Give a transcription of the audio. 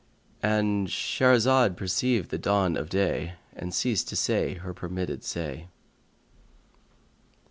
—And Shahrazad perceived the dawn of day and ceased to say her permitted say.